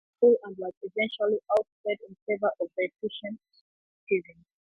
Hay was unhelpful, and was eventually ousted in favour of the efficient Stephen.